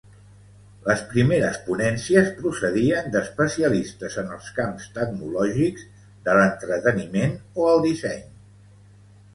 Les primeres ponències procedien d'especialistes en els camps tecnològics, de l'entreteniment o el disseny.